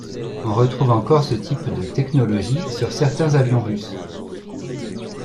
On retrouve encore ce type de technologie sur certains avions russes.